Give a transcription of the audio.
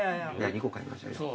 ２個買いましょうよ。